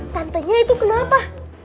tantenya itu kenapa